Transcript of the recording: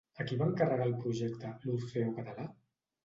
A qui va encarregar el projecte l'Orfeó Català?